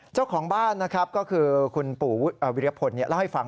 เจ้าของบ้านนะครับก็คือคุณปู่วิรพลเล่าให้ฟัง